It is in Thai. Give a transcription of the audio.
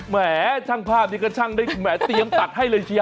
แหมช่างภาพเดี๋ยวก็ช่างยังตัดให้เลยเชีย